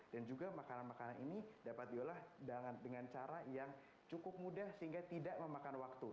dan juga makanan makanan ini dapat diolah dengan cara yang cukup mudah sehingga tidak memakan waktu